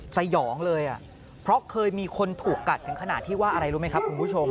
สยองเลยอ่ะเพราะเคยมีคนถูกกัดถึงขนาดที่ว่าอะไรรู้ไหมครับคุณผู้ชม